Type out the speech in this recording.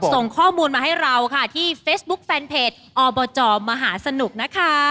ส่งข้อมูลมาให้เราค่ะที่เฟซบุ๊คแฟนเพจอบจมหาสนุกนะคะ